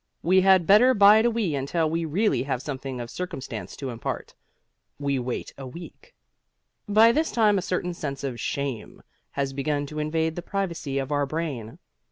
We had better bide a wee until we really have something of circumstance to impart. We wait a week. By this time a certain sense of shame has begun to invade the privacy of our brain.